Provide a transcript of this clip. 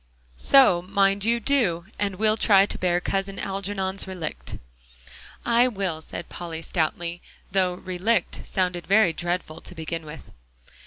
"So mind you do, and we'll try to bear Cousin Algernon's relict." "I will," said Polly stoutly, though "relict" sounded very dreadful to begin with.